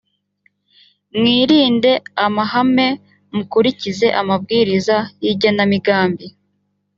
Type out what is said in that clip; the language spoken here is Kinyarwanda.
mwirinde amahame mukurikize amabwiriza yigenamigambi